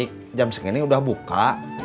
kap surga nyata